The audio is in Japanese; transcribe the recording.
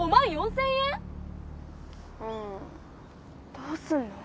どうすんの？